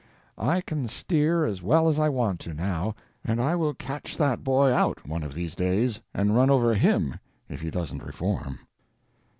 I can steer as well as I want to, now, and I will catch that boy out one of these days and run over HIM if he doesn't reform.